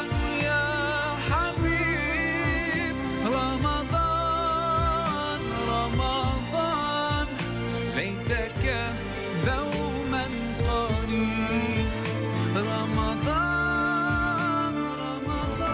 ขอบคุณนะครับ